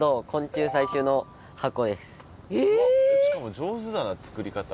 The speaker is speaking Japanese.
しかも上手だな作り方。